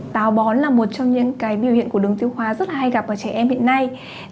táo bón là một trong những cái biểu hiện của đường tiêu hóa rất là hay gặp ở trẻ em hiện nay